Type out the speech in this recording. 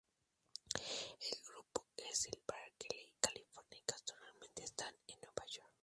El grupo es de Berkeley, California, y actualmente están en Nueva York.